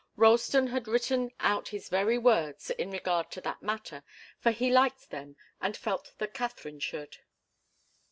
Ralston had written out his very words in regard to that matter, for he liked them, and felt that Katharine should.